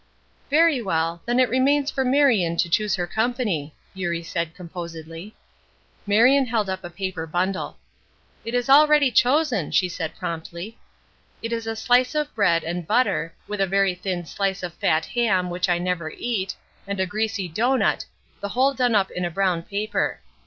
"Very well then it remains for Marion to choose her company," Eurie said, composedly. Marion held up a paper bundle. "It is already chosen," she said, promptly. "It is a slice of bread and butter, with a very thin slice of fat ham, which I never eat, and a greasy doughnut, the whole done up in a brown paper.